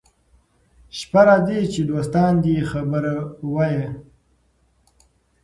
شپه راځي چي څه دوستان دي خبروه يې